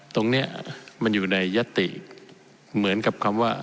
ตรงนี้มันอยู่ในยัตติเหมือนกับคำว่า